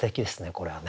これはね。